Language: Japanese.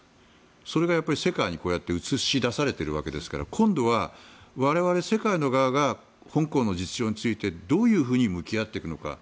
それが世界にこうやって映し出されているわけですから今度は我々世界の側が香港の実情についてどういうふうに向き合っていくのか。